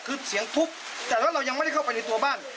คือเสียงทุบแต่ว่าเรายังไม่ได้เข้าไปในตัวบ้าน